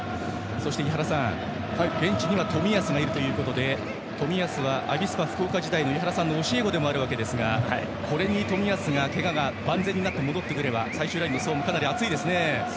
井原さん、ベンチには冨安がいるということで冨安はアビスパ福岡時代の井原さんの教え子ですがこれに冨安のけがが万全になって戻ってくれば最終ラインの層もかなり厚いですね。